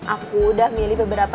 aku udah milih beberapa